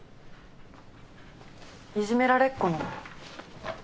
いじめられっ子の？